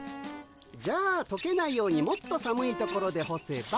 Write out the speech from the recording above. じゃあとけないようにもっと寒いところでほせば。